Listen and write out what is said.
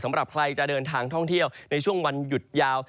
สำหรับใครจะเดินทางท่องเที่ยวในช่วงวันหยุดยาว